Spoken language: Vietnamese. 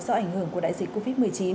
do ảnh hưởng của đại dịch covid một mươi chín